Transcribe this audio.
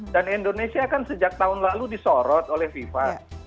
dan indonesia kan sejak tahun lalu disorot oleh fifa